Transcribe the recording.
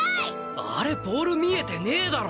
あれボール見えてねえだろ！